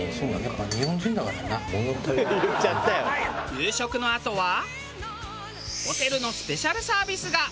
夕食のあとはホテルのスペシャルサービスが。